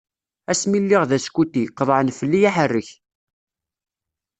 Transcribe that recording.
Asmi lliɣ d askuti, qeḍɛen fell-i aḥerrek.